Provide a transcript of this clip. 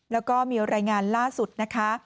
แล้วก็มีรายงานล่าสุดนะคะ